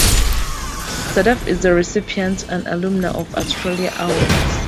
Sadaf is the recipient and alumna of Australia awards.